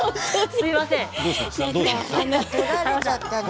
すいません。